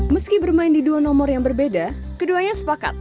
meski bermain di dua nomor yang berbeda keduanya sepakat